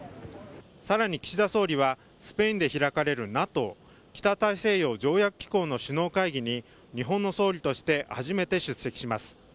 さらに岸田総理はスペインで開かれるＮＡＴＯ北大西洋条約機構の首脳会議に日本の総理として初めて出席します。